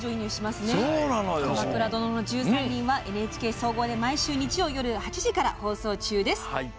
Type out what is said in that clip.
「鎌倉殿の１３人」はＮＨＫ総合で毎週、日曜夜８時から放送中です。